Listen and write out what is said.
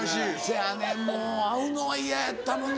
せやねんもう会うのは嫌やったもんな。